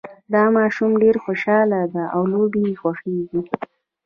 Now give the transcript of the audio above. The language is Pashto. دا ماشوم ډېر خوشحاله ده او لوبې یې خوښیږي